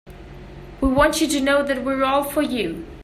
We want you to know that we're all for you.